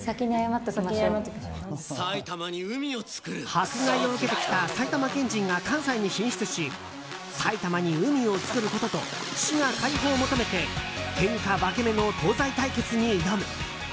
迫害を受けてきた埼玉県人が関西に進出し埼玉に海を作ることと滋賀解放を求めて天下分け目の東西対決に挑む。